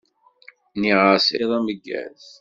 Nniɣ-as iḍ ameggaz.